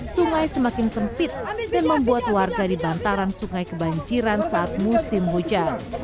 sungai semakin sempit dan membuat warga di bantaran sungai kebanjiran saat musim hujan